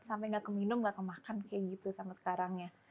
sampai gak keminum gak kemakan kayak gitu sama sekarang ya